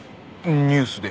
ニュースで。